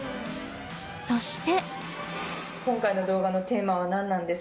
そして。